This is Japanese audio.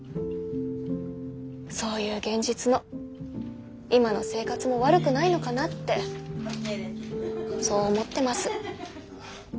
そういう現実の今の生活も悪くないのかなってそう思ってます。